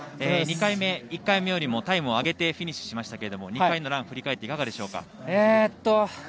２回目１回目よりもタイムを上げてフィニッシュしましたけども２回のランを振り返っていかがでしたか。